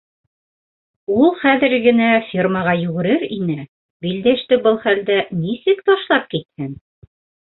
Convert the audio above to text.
- Ул хәҙер генә фермаға йүгерер ине - Билдәште был хәлдә нисек ташлап китһен?!